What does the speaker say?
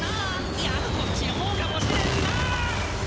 いやこっちのほうかもしれんなあ。